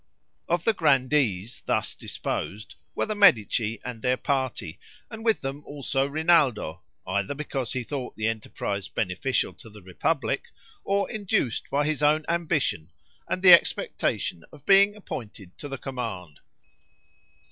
Of the Grandees thus disposed, were the Medici and their party, and with them also Rinaldo, either because he thought the enterprise beneficial to the republic, or induced by his own ambition and the expectation of being appointed to the command.